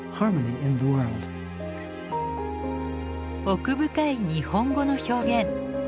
奥深い日本語の表現。